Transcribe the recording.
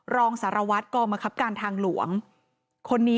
รองสารวัฒน์กองมะคับการทางหลวงค่ะ